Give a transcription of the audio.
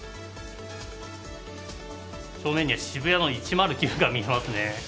正面に渋谷の１０９が見えますね。